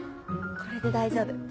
これで大丈夫。